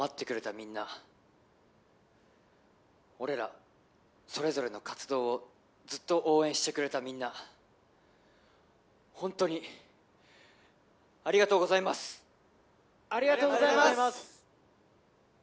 みんな俺らそれぞれの活動をずっと応援してくれたみんなホントにありがとうございますありがとうございます